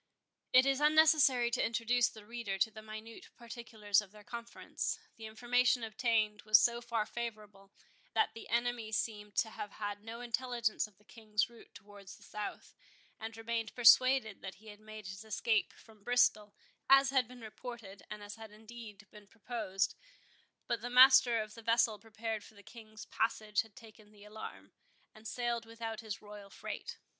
It is unnecessary to introduce the reader to the minute particulars of their conference. The information obtained was so far favourable, that the enemy seemed to have had no intelligence of the King's route towards the south, and remained persuaded that he had made his escape from Bristol, as had been reported, and as had indeed been proposed; but the master of the vessel prepared for the King's passage had taken the alarm, and sailed without his royal freight.